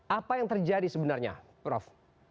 apa yang terjadi sebenarnya prof